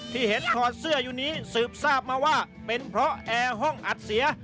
ที่เห็นถอดเสื้ออยู่นี้สืบทราบมาว่าเป็นเพราะแอร์ห้องอัดเสีย